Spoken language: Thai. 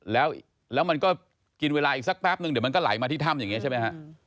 แล้วมันก็กินเวลาอีกสักแป๊บนึงเดี๋ยวมันก็ไหลมาที่ถ้ำอย่างนี้ใช่ไหมฮะ